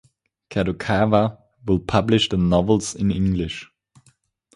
Kadokawa will publish the novels in English.